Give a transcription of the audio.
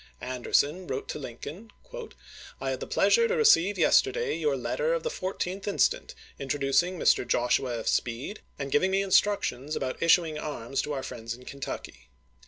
Anderson wrote to Lincoln :" I had the pleasure to receive yesterday your letter of the 14tb instant introducing Mr. Joshua F. Speed, and giving me instructions about issuing arms to our friends in Kentucky.